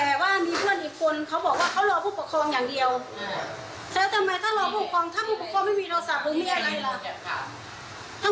แล้วทำไมถ้าพวกปกครองไม่มีโทรศัพท์มีอะไรล่ะ